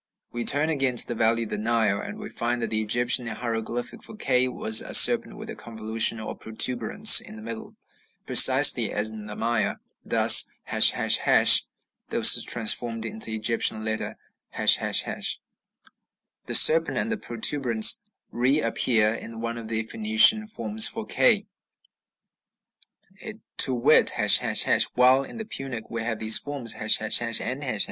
We turn again to the valley of the Nile, and we find that the Egyptian hieroglyphic for k was a serpent with a convolution or protuberance in the middle, precisely as in the Maya, thus, ###; this was transformed into the Egyptian letter ###; the serpent and the protuberance reappear in one of the Phoenician forms of k, to wit, ###; while in the Punic we have these forms, ### and ###.